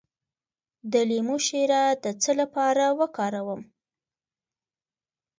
د لیمو شیره د څه لپاره وکاروم؟